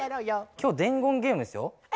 今日伝言ゲームですよ。え？